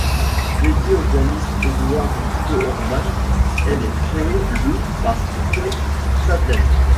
Dédiée au pianiste Eduard Steuermann, elle est créée le par Peter Stadlen.